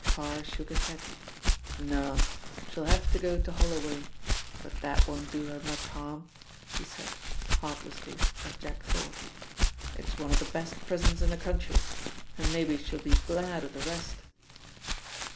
Parr shook his head. "No. She'll have to go to Holloway, but that won't do her much harm," he said, heartlessly, as Jack thought. "It is one of the best prisons in the country, and maybe she'll be glad of the rest."